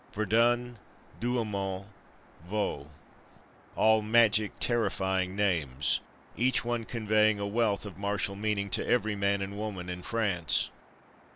Verdun, Douaumont, Vaux; — all magic, terrifying names; each one conveying a wealth of martial meaning to every man and woman in France.